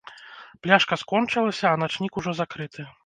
Пляшка скончылася, а начнік ужо закрыты.